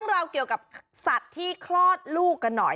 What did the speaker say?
เราเกี่ยวกับสัตว์ที่คลอดลูกกันหน่อย